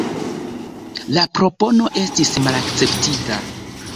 La propono estis malakceptita.